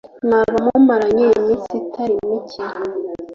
mwaba mumaranye iminsi itari mike